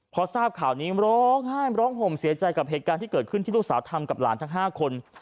พอทราบข่าวนี้ร้องไห้ร้องห่มเสียใจกับเหตุการณ์ที่เกิดขึ้นที่ลูกสาวทำกับหลานทั้ง๕คน